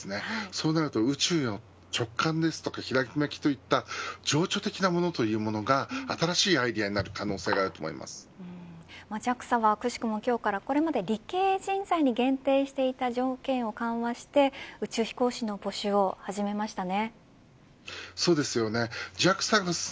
そうなると宇宙での直感ですとか、ひらめきといった情緒的なものが新しいアイデアにＪＡＸＡは、くしくも今日からこれまで理系人材に限定していた条件を緩和して宇宙飛行士の募集を始めましたね。